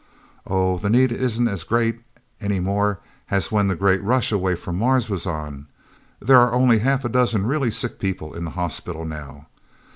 Oh, the need isn't as great, any more, as when the Great Rush away from Mars was on. There are only half a dozen really sick people in the hospital now.